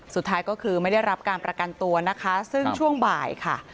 สุดท้ายก็คือไม่ได้รับการประกันตัวนะคะซึ่งช่วงบ่ายค่ะ